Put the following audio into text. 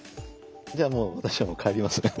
じゃあもう私は帰ります。